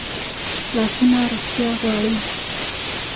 لاسونه روغتیا غواړي